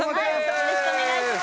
よろしくお願いします。